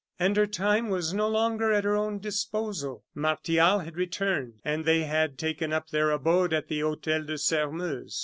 And her time was no longer at her own disposal. Martial had returned; and they had taken up their abode at the Hotel de Sairmeuse.